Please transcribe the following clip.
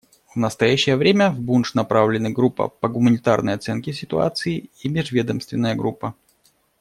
В настоящее время в Бундж направлены группа по гуманитарной оценке ситуации и межведомственная группа.